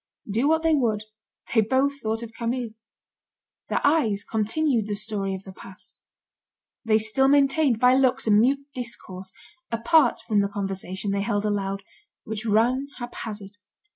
Do what they would, they both thought of Camille. Their eyes continued the story of the past. They still maintained by looks a mute discourse, apart from the conversation they held aloud, which ran haphazard.